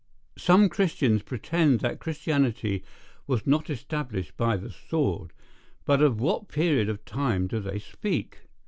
Some Christians pretend that Christianity was not established by the sword; but of what period of time do they speak?